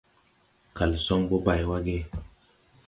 Kalson bo bay wa ge?